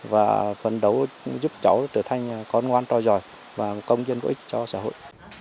và phấn đấu giúp cháu trở thành con ngoan tròi giỏi và công nhân có ích cho xã hội